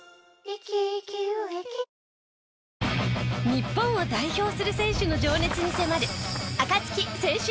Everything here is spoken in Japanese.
日本を代表する選手の情熱に迫るアカツキ選手